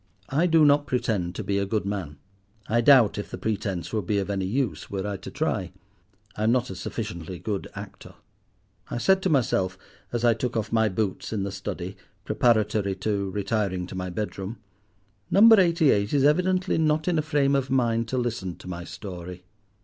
I do not pretend to be a good man. I doubt if the pretence would be of any use were I to try: I am not a sufficiently good actor. I said to myself, as I took off my boots in the study, preparatory to retiring to my bedroom—"Number Eighty eight is evidently not in a frame of mind to listen to my story.